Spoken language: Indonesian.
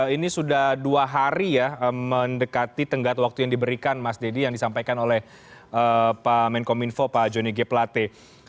ini sudah dua hari ya mendekati tenggat waktu yang diberikan mas deddy yang disampaikan oleh pak menkom info pak joni g plate